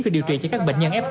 khi điều trị cho các bệnh nhân f